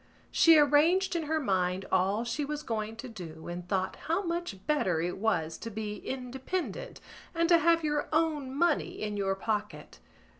She arranged in her mind all she was going to do and thought how much better it was to be independent and to have your own money in your pocket.